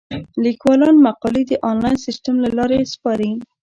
لیکوالان مقالې د انلاین سیستم له لارې سپاري.